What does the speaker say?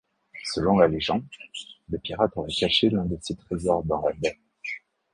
Selon la légende, le pirate aurait caché l'un de ses trésors dans la Baie.